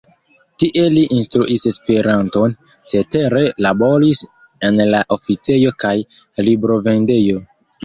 Tie li instruis Esperanton, cetere laboris en la oficejo kaj librovendejo.